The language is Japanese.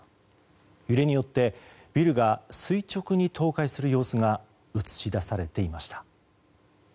揺れによってビルが垂直に倒壊する様子が映し出されていました。